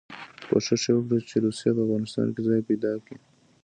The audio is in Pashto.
کوښښ یې وکړ چې روسیه په افغانستان کې ځای پیدا کړي.